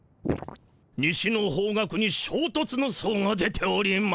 西の方角に「しょうとつ」の相が出ております。